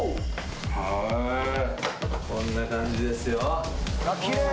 こんな感じですよ。